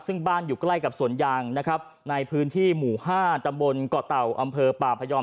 ซึ่งบ้านอยู่ใกล้กับสวนยางนะครับในพื้นที่หมู่๕ตำบลเกาะเต่าอำเภอป่าพยอม